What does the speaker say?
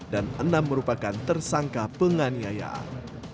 dan enam merupakan tersangka penganiayaan